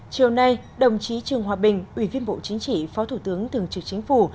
chiều nay đồng chí trường hòa bình ubnd phó thủ tướng thường trực chính phủ